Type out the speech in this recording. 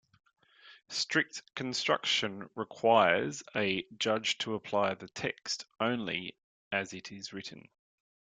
Strict construction requires a judge to apply the text only as it is written.